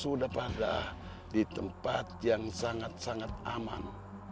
sudah pada di tempat yang sangat sangat aman